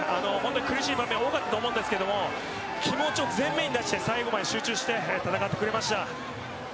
苦しい場面多かったと思うんですが気持ちを前面に出して最後まで集中して戦ってくれました。